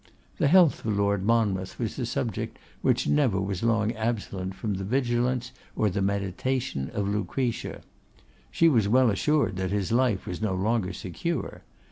The health of Lord Monmouth was the subject which never was long absent from the vigilance or meditation of Lucretia. She was well assured that his life was no longer secure.